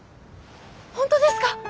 本当ですか！？